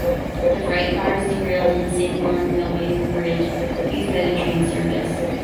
The freight cars derailed on the Saint-Laurent Railway Bridge used by the train service.